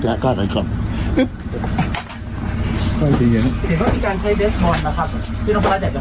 เดี๋ยวน้องฟ้าจะจะพูดพูดอะไรไหมพี่